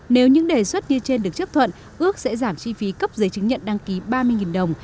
nếu những đề xuất như trên được chấp thuận ước sẽ giảm chi phí cấp giấy chứng nhận đăng ký ba mươi đồng